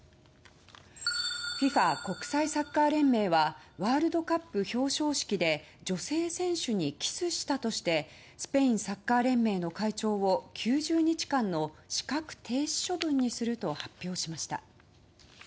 ＦＩＦＡ・国際サッカー連盟はワールドカップ表彰式で女性選手にキスしたとしてスペインサッカー連盟の会長を９０日間の資格停止処分にすると発表しました。